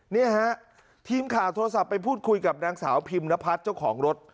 นี่ฮะทีมข่าวโทรศัพท์ไปพูดคุยกับนางสาวพิมนพัฒน์เจ้าของรถ